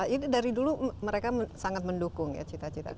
ini dari dulu mereka sangat mendukung ya cita cita